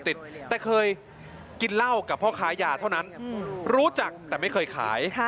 แต่เคยกินเหล้ากับพ่อค้ายาเท่านั้นรู้จักแต่ไม่เคยขาย